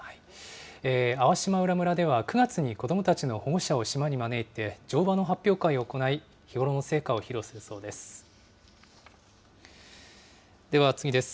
粟島浦村では、９月に子どもたちの保護者を島に招いて、乗馬の発表会を行い、日頃の成果を披露するそうです。